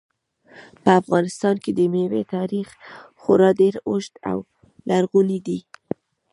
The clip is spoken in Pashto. په افغانستان کې د مېوو تاریخ خورا ډېر اوږد او لرغونی دی.